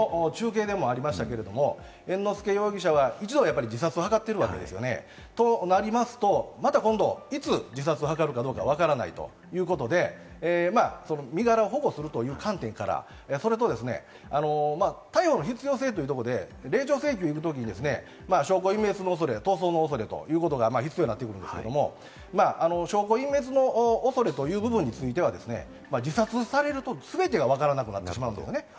先ほどの中継でもありましたが、猿之助容疑者は一度は自殺を図っているわけです。となりますと、また今度いつ自殺を図るかどうかわからないということで、身柄を保護するという観点から、それと逮捕の必要性というところで、令状請求に行くときに証拠隠滅の恐れ、逃走の恐れということが必要になってきますが、証拠隠滅の恐れという部分については、自殺されると全てがわからなくなってしまうんです。